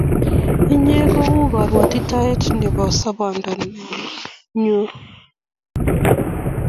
inye ko u karwatitet nebo sabonda nyun